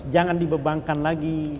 jangan dibebankan lagi